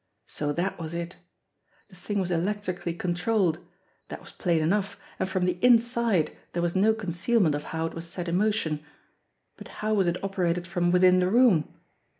So that was it! The thing was electrically controlled. That was plain enough, and from the inside there was no concealment of how it was set in motion ; but how was it operated from within the room